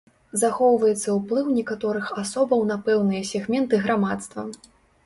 Захоўваецца ўплыў некаторых асобаў на пэўныя сегменты грамадства.